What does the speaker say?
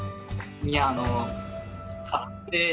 いやあの。